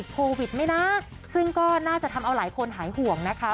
โควิดไหมนะซึ่งก็น่าจะทำเอาหลายคนหายห่วงนะคะ